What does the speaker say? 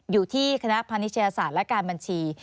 อยู่ที่คณะพานิชยศาสตร์และการบัญชี